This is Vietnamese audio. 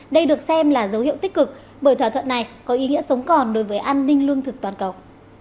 đây được xem là dấu hiệu tích cực bởi thỏa thuận này có ý nghĩa sống còn đối với an ninh lương thực toàn cầu